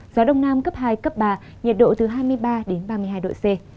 gió đông nam cấp hai cấp ba nhiệt độ từ hai mươi ba đến ba mươi hai độ c